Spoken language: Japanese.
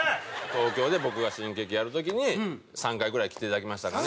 東京で僕が新喜劇やる時に３回ぐらい来ていただきましたかね。